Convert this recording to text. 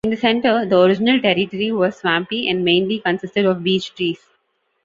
In the centre, the original territory was swampy and mainly consisted of beech trees.